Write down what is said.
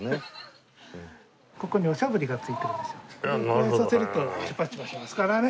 くわえさせるとチュパチュパしますからね。